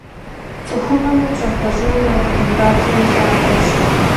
Цӏыхугъэмрэ пщӏэ хуэщӏынымрэ адыгэ хабзэм и лъабжьэщ.